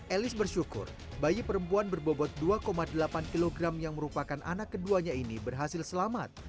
elis bersyukur bayi perempuan berbobot dua delapan kg yang merupakan anak keduanya ini berhasil selamat